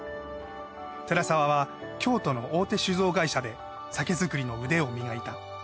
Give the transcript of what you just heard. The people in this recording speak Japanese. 寺澤は京都の大手酒造会社で酒造りの腕を磨いた。